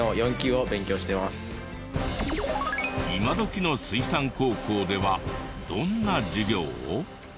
今どきの水産高校ではどんな授業を？